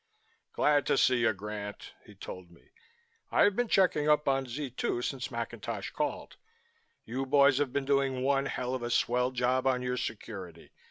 "Glad to see you Grant," he told me. "I've been checking up on Z 2 since McIntosh called. You boys have been doing one hell of a swell job on your security.